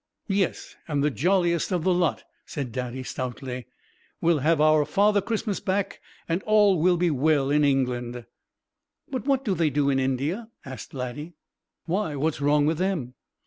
"Yes, and the jolliest of the lot," said Daddy, stoutly. "We'll have our Father Christmas back and all will be well in England." "But what do they do in India?" asked Laddie. "Why, what's wrong with them?"